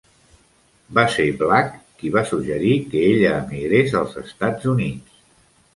Va ser Black qui va suggerir que ella emigrés als Estats Units.